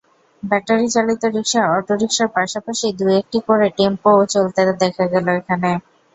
ব্যাটারিচালিত rickshaw, অটোরিকশার পাশাপাশি দু-একটি করে টেম্পোও চলতে দেখা গেল এখানে।